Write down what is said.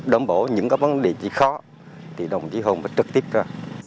đảm bảo những vấn đề khó thì đồng chí hồ trực tiếp ra